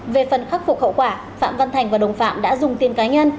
về phần khắc phục hậu quả phạm văn thành và đồng phạm đã dùng tiền cá nhân